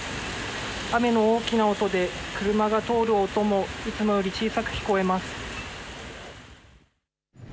雨の大きな音で、車が通る音もいつもより小さく聞こえます。